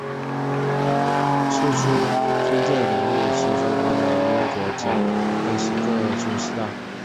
售出军舰给日清双方的英国及当时各军事大国极为关注此场海战。